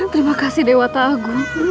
terima kasih dewa ta'agu